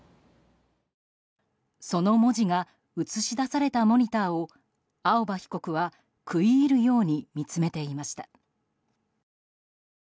その文字が映し出されたモニターを青葉被告は食い入るように見つめていました。